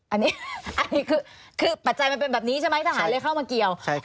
อันนี้คือปัจจัยมันเป็นแบบนี้ใช่ไหมทหารเลยเข้ามาเกี่ยว